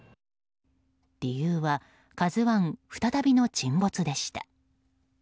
理由は「ＫＡＺＵ１」再びの沈没でした。